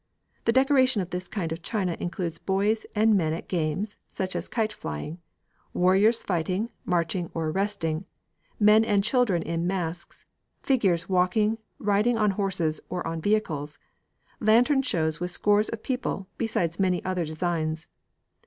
The decoration of this kind of china includes boys and men at games, such as kite flying; warriors fighting, marching, or resting; men and children in masks; figures walking, riding on horses or on vehicles; lantern shows with scores of people, besides many other designs.